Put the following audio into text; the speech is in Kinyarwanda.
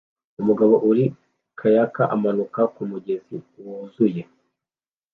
Umugabo uri kayak amanuka kumugezi wuzuye